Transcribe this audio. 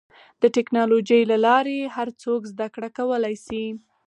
د ټکنالوجۍ له لارې هر څوک زدهکړه کولی شي.